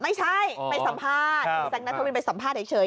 ไม่ใช่ไปสัมภาษณ์คุณแซคนัทวินไปสัมภาษณ์เฉย